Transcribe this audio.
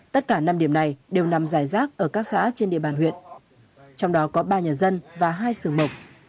tất cả năm điểm này đều nằm dài rác ở các xã trên địa bàn huyện trong đó có ba nhà dân và hai sưởng mộc